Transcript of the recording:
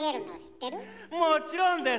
もちろんです！